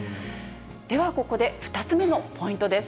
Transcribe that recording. ではここで、２つ目のポイントです。